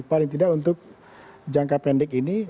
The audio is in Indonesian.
paling tidak untuk jangka pendek ini